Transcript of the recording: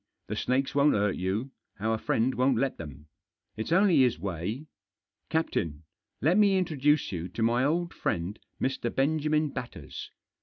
The snakes won't hurt you ; our friend won't let them. It's only his way. Captain, let me introduce you to my old friend, Mr. Benjamin Batters.